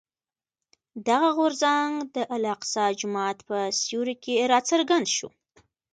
دغه غورځنګ د الاقصی جومات په سیوري کې راڅرګند شو.